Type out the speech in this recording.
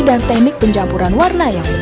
dan teknik pencampuran warna yang benar